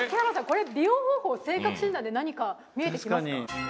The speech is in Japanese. これ美容方法性格診断で何か見えてきますか？